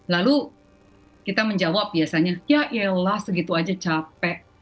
lalu kita menjawab biasanya ya iya lah segitu aja capek